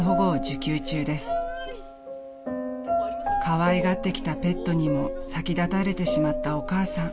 ［かわいがってきたペットにも先立たれてしまったお母さん］